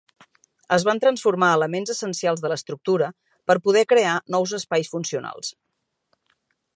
Es van transformar elements essencials de l'estructura per poder crear nous espais funcionals.